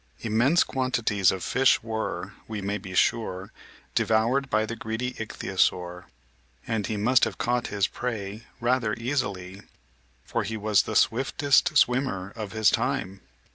Immense quantities of fishes were, we may be sure, devoured by the greedy Ichthyosaur, and he must have caught his prey rather easily, for he was the swiftest swimmer of his time.